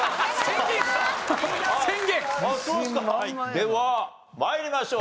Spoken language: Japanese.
では参りましょう。